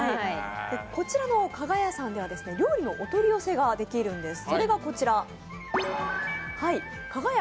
こちらの加賀屋さんでは料理のお取り寄せができるんです。